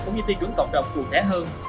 cũng như tiêu chuẩn cộng đồng cụ thể hơn